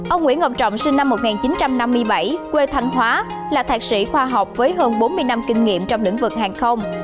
ông nguyễn ngọc trọng sinh năm một nghìn chín trăm năm mươi bảy quê thanh hóa là thạc sĩ khoa học với hơn bốn mươi năm kinh nghiệm trong lĩnh vực hàng không